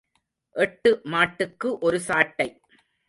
எட்டு மாட்டுக்கு ஒரு சாட்டை.